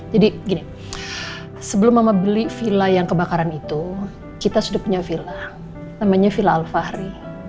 jadi gini sebelum mama beli villa yang kebakaran itu kita sudah punya villa namanya villa al fahri